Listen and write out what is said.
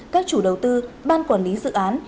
các chủ đầu tư ban quản lý dự án